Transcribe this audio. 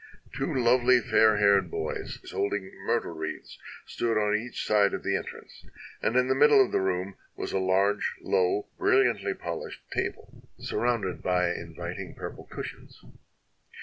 Two lovely, fair haired boys, holding myrtle wreaths, stood on each side of the entrance, and in the middle of the room was a large, low, brilliantly polished table, sur rounded by inviting purple cushions.